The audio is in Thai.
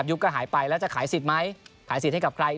ก็หายไปแล้วจะขายสิทธิ์ไหมขายสิทธิ์ให้กับใคร